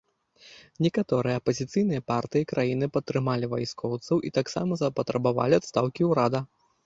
Некаторыя апазіцыйныя партыі краіны падтрымалі вайскоўцаў і таксама запатрабавалі адстаўкі ўрада.